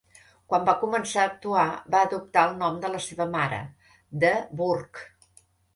Quan va començar a actuar, va adoptar el nom de la seva mare, "de Burgh".